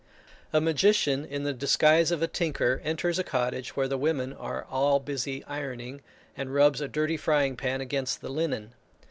A magician, in the disguise of a tinker, enters a cottage where the women are all busy ironing, and rubs a dirty frying pan against the linen.